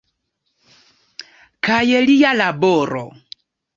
Kaj lia laboro.